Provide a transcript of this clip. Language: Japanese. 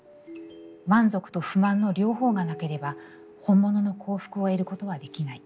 満足と不満の両方がなければ本物の幸福を得ることはできない。